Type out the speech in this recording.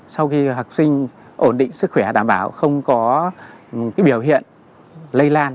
sau khi học sinh ổn định sức khỏe đảm bảo không có biểu hiện lây lan